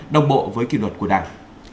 đồng bộ với kiều luật của đảng